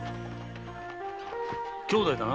兄妹だな。